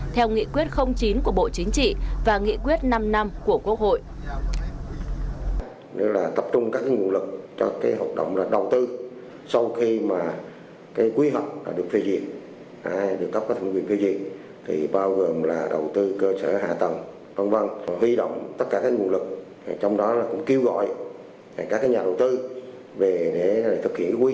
theo nghị quyết chín của bộ chính trị và nghị quyết năm năm của quốc hội